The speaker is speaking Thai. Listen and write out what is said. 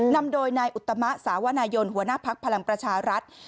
นำโดยนายอุตมะสาวนายนหัวหน้าภักดิ์พลังประชารัฐ